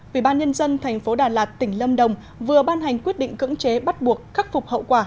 vị ban nhân dân tp đà lạt tỉnh lâm đồng vừa ban hành quyết định cưỡng chế bắt buộc khắc phục hậu quả